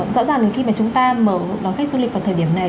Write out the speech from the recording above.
rõ ràng là khi mà chúng ta mở đón khách du lịch vào thời điểm này